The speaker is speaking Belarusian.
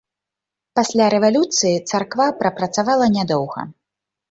Пасля рэвалюцыі царква прапрацавала нядоўга.